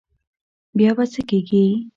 بیا به څه کېږي.